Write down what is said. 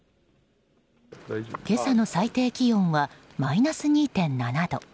今朝の最低気温はマイナス２．７個。